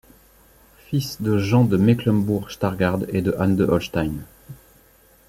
Fils de Jean de Mecklembourg-Stargard et de Anne de Holstein.